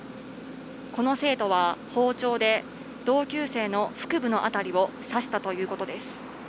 この生徒は包丁で同級生の腹部の辺りを刺したということです。